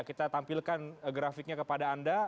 kita tampilkan grafiknya kepada anda